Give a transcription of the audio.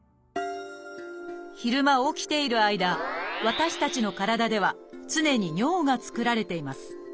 昼間起きている間私たちの体では常に尿が作られています。